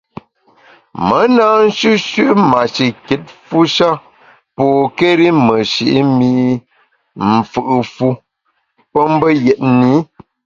Me na nshüshü’ mashikitfu sha pokéri meshi’ mi mfù’ fu pe mbe yetni.